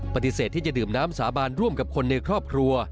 ปฏิเสธที่จะดื่มน้ำสาบานร่วมกับคนในครอบครัว